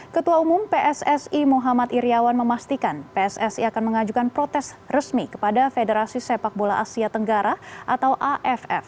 ketua umum pssi muhammad iryawan memastikan pssi akan mengajukan protes resmi kepada federasi sepak bola asia tenggara atau aff